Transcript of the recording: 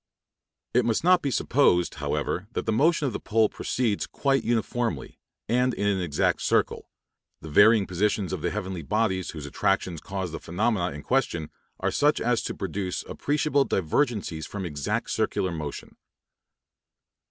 It must not be supposed, however, that the motion of the pole proceeds quite uniformly, and in an exact circle; the varying positions of the heavenly bodies whose attractions cause the phenomena in question are such as to produce appreciable divergencies from exact circular motion.